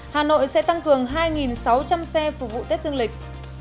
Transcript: hà nội sẽ tăng cường hai sáu trăm linh xe phục vụ tết dương lịch